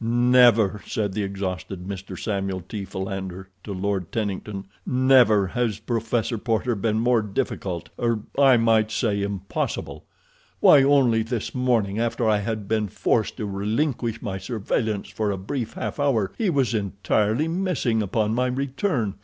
"Never," said the exhausted Mr. Samuel T. Philander, to Lord Tennington, "never has Professor Porter been more difficult—er—I might say, impossible. Why, only this morning, after I had been forced to relinquish my surveillance for a brief half hour he was entirely missing upon my return.